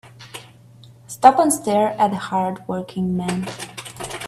Stop and stare at the hard working man.